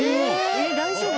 えっ大丈夫？